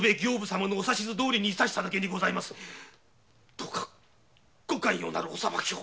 どうかご寛容なるお裁きを。